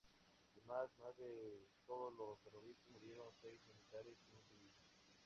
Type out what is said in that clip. Además de todos los terroristas, murieron seis militares y un civil.